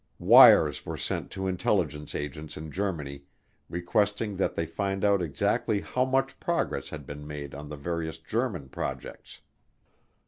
Wires were sent to intelligence agents in Germany requesting that they find out exactly how much progress had been made on the various German projects.